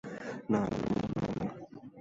না, আমি অমন মেয়ে নই।